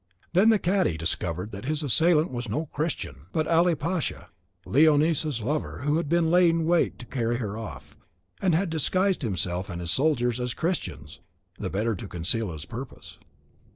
Then the cadi discovered that his assailant was no Christian, but Ali Pasha, Leonisa's lover, who had been laying wait to carry her off, and had disguised himself and his soldiers as Christians, the better to conceal his purpose.